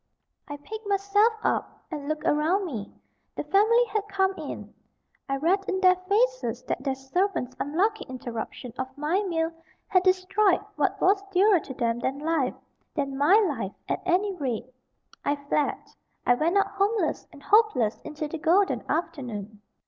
I picked myself up, and looked about me. The family had come in. I read in their faces that their servant's unlucky interruption of my meal had destroyed what was dearer to them than life than my life, at any rate. I fled. I went out homeless and hopeless into the golden afternoon.